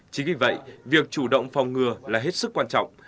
chính vì vậy việc chủ động phòng ngừa là hết sức quan trọng